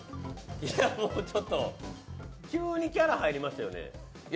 いやもうちょっと急にキャラ、入りましたよね。